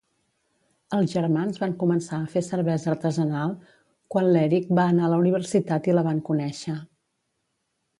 Els germans van començar a fer cervesa artesanal quan l'Eric va anar a la universitat i la van conèixer.